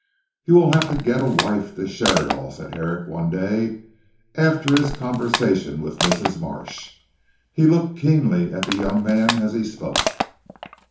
"You will have to get a wife to share it all," said Herrick one day after his conversation with Mrs. Marsh. He looked keenly at the young man as he spoke.